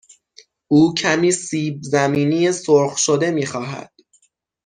او کمی سیب زمینی سرخ شده می خواهد.